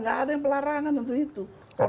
gak ada yang pelarangan untuk itu